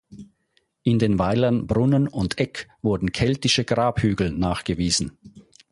In den Weilern Brunnen und Egg wurden keltische Grabhügel nachgewiesen.